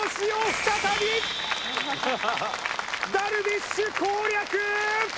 再びダルビッシュ攻略！